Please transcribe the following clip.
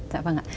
dạ vâng ạ